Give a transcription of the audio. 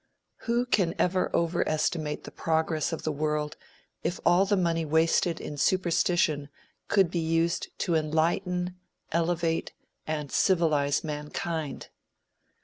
Who can over estimate the progress of the world if all the money wasted in superstition could be used to enlighten, elevate and civilize mankind?